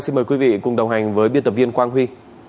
xin mời quý vị cùng đồng hành với biên tập viên quang huy